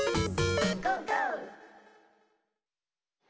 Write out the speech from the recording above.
「ゴーゴー！」